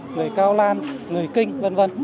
người cao lan người kinh v v